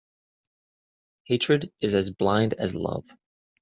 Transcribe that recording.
Hatred is as blind as love.